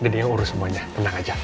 gedenya urus semuanya tenang aja